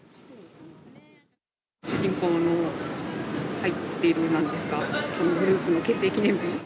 主人公の入っている、なんですか、そのグループの結成記念日。